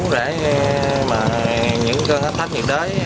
để những cơ hội thách nhiệt đới